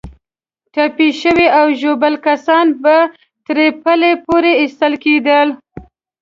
ټپي شوي او ژوبل کسان به تر پله پورې ایستل کېدل.